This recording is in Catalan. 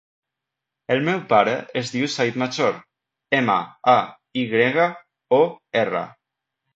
El meu pare es diu Zaid Mayor: ema, a, i grega, o, erra.